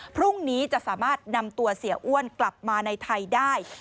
พรุ่งนี้จะสามารถนำตัวเสียอ้วนกลับมาในไทยได้